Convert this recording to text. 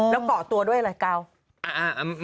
แล้วเกาะตัวด้วยอะไรกาว